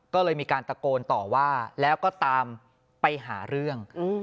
ก็เลยมีการตะโกนต่อว่าแล้วก็ตามไปหาเรื่อง